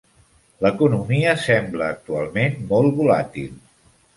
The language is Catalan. L'economia sembla actualment molt volàtil.